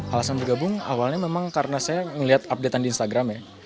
alasan bergabung awalnya memang karena saya melihat update an di instagram ya